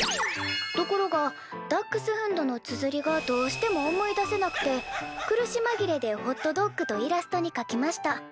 ところが『Ｄａｃｈｓｈｕｎｄ』のつづりがどうしても思い出せなくて苦しまぎれで『ＨＯＴＤＯＧ』とイラストに書きました。